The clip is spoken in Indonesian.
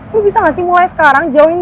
lu bisa ga sih mulai sekarang jauhin gue